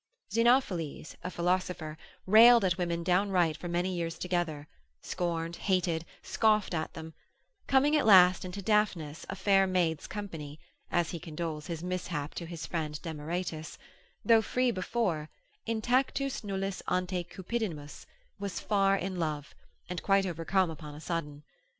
Xenophiles, a philosopher, railed at women downright for many years together, scorned, hated, scoffed at them; coming at last into Daphnis a fair maid's company (as he condoles his mishap to his friend Demaritis), though free before, Intactus nullis ante cupidinibus, was far in love, and quite overcome upon a sudden.